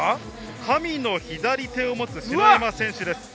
神の左手をもつ篠山選手です。